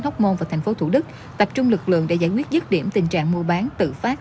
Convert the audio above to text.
hóc môn và thành phố thủ đức tập trung lực lượng để giải quyết dứt điểm tình trạng mua bán tự phát